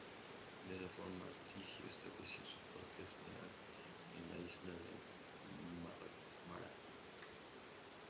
De esta forma, Ticio estableció su cuartel general en la Isla de Mármara.